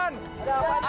tidak tidak tidak